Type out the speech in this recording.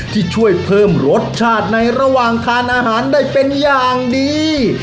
ที่ช่วยเพิ่มรสชาติในระหว่างทานอาหารได้เป็นอย่างดี